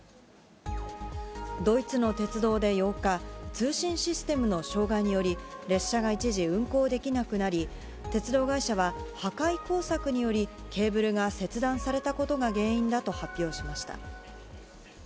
ドイツの鉄道で８日、通信システムの障害により、列車が一時運行できなくなり、鉄道会社は破壊工作により、ケーブルが切断されたことが原因だと発表しました。